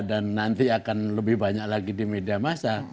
dan nanti akan lebih banyak lagi di media masa